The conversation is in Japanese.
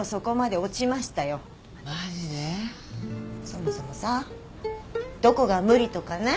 そもそもさどこが無理とかね